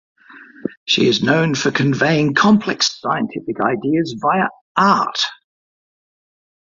She is known for conveying complex scientific ideas via art.